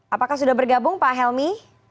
apakah sudah bergabung pak helmi